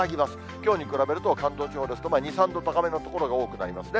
きょうに比べると関東地方ですと、２、３度高めの所が多くなりますね。